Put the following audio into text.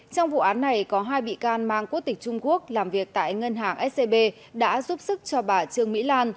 trong vụ án này có hai bị can mang quốc tịch trung quốc làm việc tại ngân hàng scb đã giúp sức cho bà trương mỹ lan